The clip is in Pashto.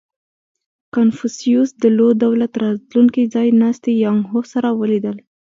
• کنفوسیوس د لو دولت راتلونکی ځایناستی یانګ هو سره ولیدل.